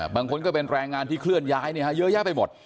บางคนก็เป็นแรงงานที่เคลื่อนย้ายเยอะแยะไปหมด